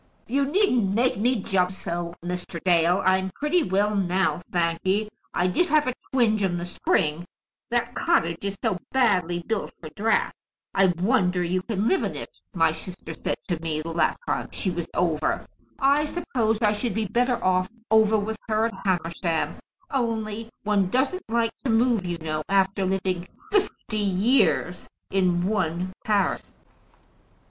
"You needn't make me jump so, Mr. Dale. I'm pretty well now, thank ye. I did have a twinge in the spring, that cottage is so badly built for draughts! 'I wonder you can live in it,' my sister said to me the last time she was over. I suppose I should be better off over with her at Hamersham, only one doesn't like to move, you know, after living fifty years in one parish."